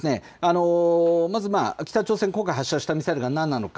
まず北朝鮮、今回発射したミサイルが何なのか。